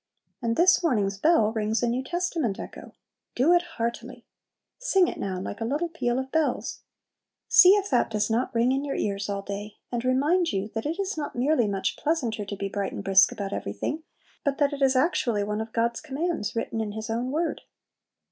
And this morning's "bell" rings a New Testament echo, "Do it heartily!" Sing it now, like a little peal of bells! [Music: Do it hear ti ly!] See if that does not ring in your ears all day, and remind you that it is not merely much pleasanter to be bright and brisk about everything, but that it is actually one of God's commands written in His own word.